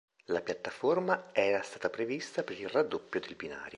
La piattaforma era stata prevista per il raddoppio del binario.